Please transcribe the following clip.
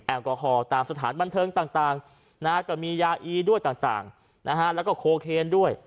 แอลกอฮอล์ตามสถานบันเทิงต่างก็มียาอีด้วยต่างแล้วก็โคเคนด้วย